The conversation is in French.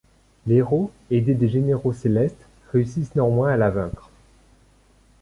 Les héros aidés des généraux célestes réussissent néanmoins à la vaincre.